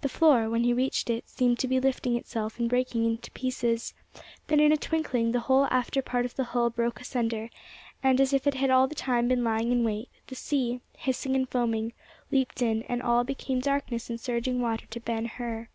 The floor, when he reached it, seemed to be lifting itself and breaking to pieces; then, in a twinkling, the whole after part of the hull broke asunder, and, as if it had all the time been lying in wait, the sea, hissing and foaming, leaped in, and all became darkness and surging water to Ben Hur.